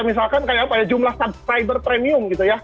ya misalkan kayak apa ya jumlah subscriber premium gitu ya